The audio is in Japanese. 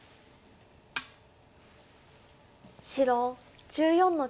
白１４の九トビ。